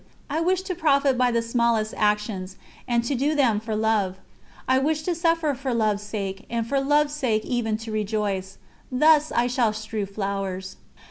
I wish to profit by the smallest actions, and to do them for Love. I wish to suffer for Love's sake, and for Love's sake even to rejoice: thus shall I strew flowers.